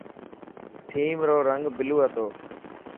ٿيم رو رنگ بلو هتو.